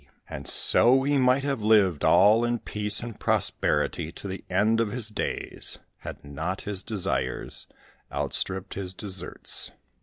And so he might have lived in all peace and prosperity to the end of his days had not his desires outstripped his deserts.